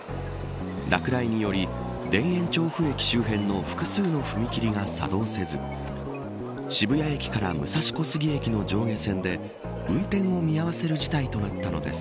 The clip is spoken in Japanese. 落雷により、田園調布駅周辺の複数の踏切が作動せず渋谷駅から武蔵小杉駅の上下線で運転を見合わせる事態となったのです。